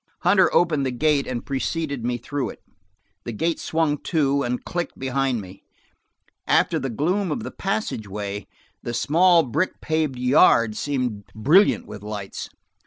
Hunter opened the gate and preceded me through it. The gate swung to and clicked behind me. After the gloom of the passageway, the small brick paved yard seemed brilliant with lights.